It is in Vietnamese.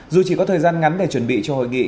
dù chỉ có thời gian ngắn để chuẩn bị cho hội nghị